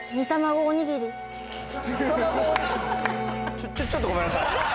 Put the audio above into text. ちょ、ちょ、ちょっとごめんなさい。